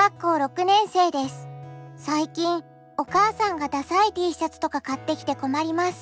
最近お母さんがダサいＴシャツとか買ってきて困ります。